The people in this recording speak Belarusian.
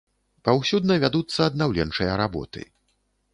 Паўсюдна вядуцца аднаўленчыя работы.